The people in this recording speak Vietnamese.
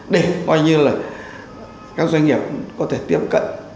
để coi như là các doanh nghiệp có thể tiếp cận